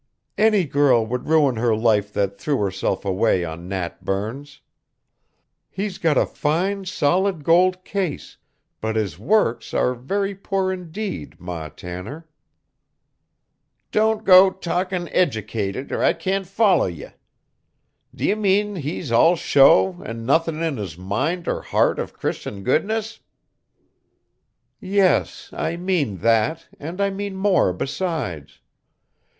"Any girl would ruin her life that threw herself away on Nat Burns. He's got a fine solid gold case, but his works are very poor indeed, Ma Tanner." "Don't go talkin' educated or I can't follow ye. D'ye mean he's all show an' nothin' in his mind or heart of Christian goodness?" "Yes, I mean that, and I mean more besides.